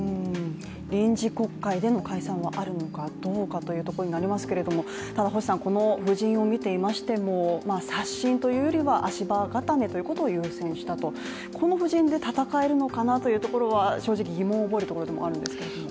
臨時国会での解散はあるのかどうかというところになりますけれども、ただこの布陣を見ていましても刷新というよりは足場固めということを優先したと、この布陣で戦えるのかなというところは正直疑問を覚えるところでもあるんですけれども。